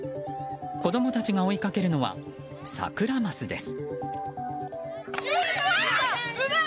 子供たちが追いかけるのはサクラマスです。